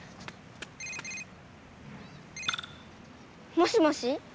もしもし。